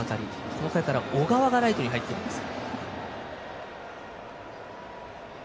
この回から小川がライトに入っています。